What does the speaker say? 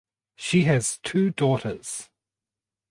She has two daughters.